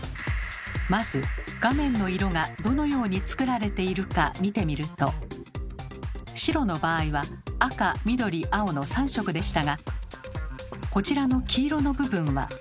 まず画面の色がどのように作られているか見てみると白の場合は赤緑青の３色でしたがこちらの黄色の部分は。